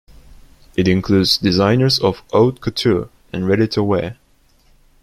It includes designers of "haute couture" and ready-to-wear.